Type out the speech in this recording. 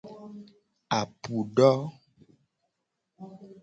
Apu do.